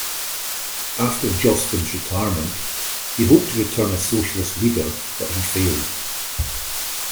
After Jospin's retirement, he hoped to return as Socialist leader but he failed.